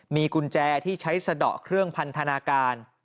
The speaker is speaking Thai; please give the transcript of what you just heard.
มีกุญแจที่ใช้สะดอกเครื่องพันธนาการ